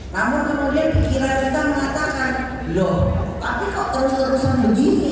namun kemudian pikiran kita mengatakan loh tapi kok terus terusan begini